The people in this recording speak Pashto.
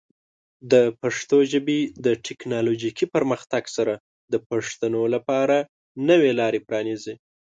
د پښتو ژبې د ټیکنالوجیکي پرمختګ سره، د پښتنو لپاره نوې لارې پرانیزي.